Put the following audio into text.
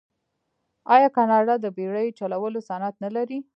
آیا کاناډا د بیړۍ چلولو صنعت نلري؟